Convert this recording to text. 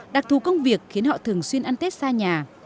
đặc thù công việc khiến họ thường xuyên ăn tết xa nhà